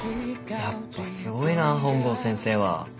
やっぱすごいな本郷先生は。